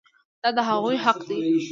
دا د هغوی حق دی.